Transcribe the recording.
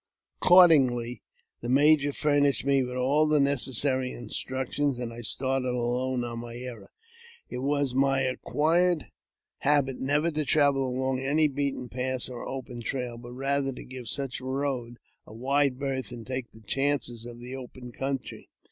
Accordingly, the major furnished me with all the necessar; instructions, and I started alone on my errand. It was my acquired habit never to travel along any beaten path or open trail, but rather to give such road a wide berth,^ and take the chances of the open country.